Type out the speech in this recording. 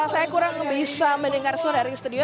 saya kurang bisa mendengar suara dari studio